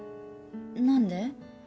何で？